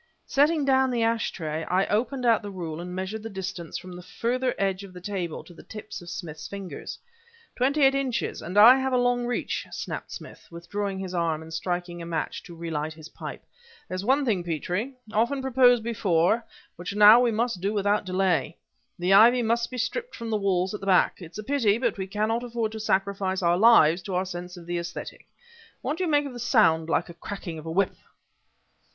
Setting down the ash tray, I opened out the rule and measured the distance from the further edge of the table to the tips of Smith's fingers. "Twenty eight inches and I have a long reach!" snapped Smith, withdrawing his arm and striking a match to relight his pipe. "There's one thing, Petrie, often proposed before, which now we must do without delay. The ivy must be stripped from the walls at the back. It's a pity, but we can not afford to sacrifice our lives to our sense of the aesthetic. What do you make of the sound like the cracking of a whip?"